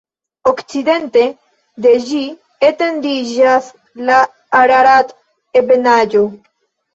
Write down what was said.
Okcidente de ĝi etendiĝas la Ararat-ebenaĵo.